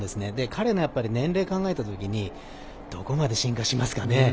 彼の年齢を考えたときにどこまで進化しますかね。